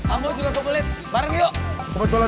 amba mohon ampunanmu ya allah